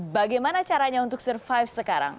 bagaimana caranya untuk survive sekarang